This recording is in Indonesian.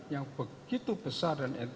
yang begitu besar dan